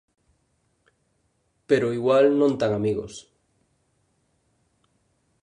Pero igual non tan amigos.